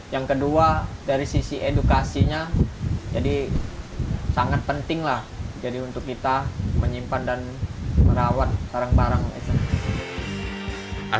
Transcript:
yang kedua dari sisi edukasinya jadi sangat penting lah jadi untuk kita menyimpan dan merawat barang barang